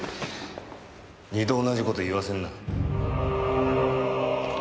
二度同じ事言わせんな。